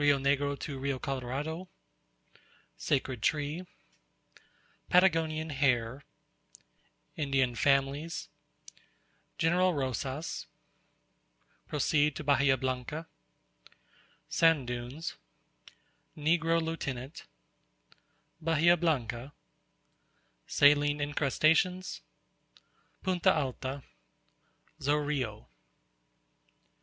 Negro to R. Colorado Sacred Tree Patagonian Hare Indian Families General Rosas Proceed to Bahia Blanca Sand Dunes Negro Lieutenant Bahia Blanca Saline Incrustations Punta Alta Zorillo.